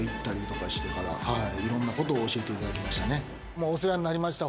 もうお世話になりました